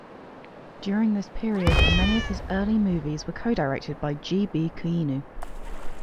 During this period, many of his early movies were co-directed by G. B. Kuyinu.